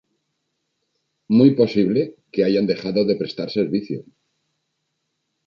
Muy posible que hayan dejado de prestar servicio.